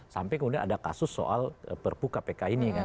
sampai kemudian ada kasus soal perpu kpk ini kan